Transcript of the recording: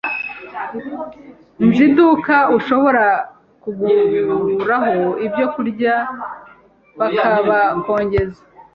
Nzi iduka ushobora kuguraho ibyo kurya baka kongeza.